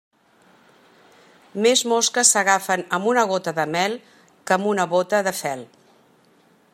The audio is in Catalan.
Més mosques s'agafen amb una gota de mel que amb una bóta de fel.